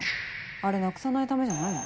あれなくさないためじゃないの？